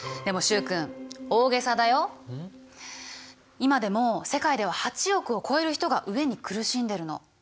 今でも世界では８億を超える人が飢えに苦しんでるの。